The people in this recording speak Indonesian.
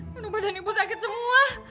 aduh badan ibu sakit semua